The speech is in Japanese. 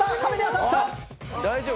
大丈夫？